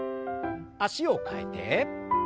脚を替えて。